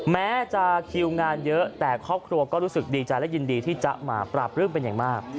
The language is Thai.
แม้จะคิวงานเยอะแต่ครอบครัวก็รู้สึกดีใจและยินดีที่จ๊ะมาปราบรื่มเป็นอย่างมาก